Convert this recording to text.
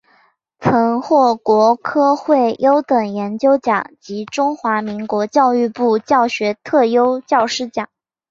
曾获国科会优等研究奖及中华民国教育部教学特优教师奖。